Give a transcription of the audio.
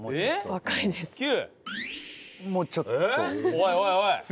おいおいおい！